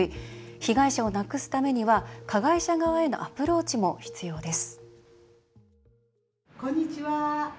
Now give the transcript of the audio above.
被害者をなくすためには加害者側へのアプローチも必要です。